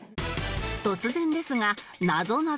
突然ですがなぞなぞです